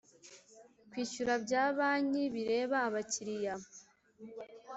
kwishyura bya banki bireba abakiriya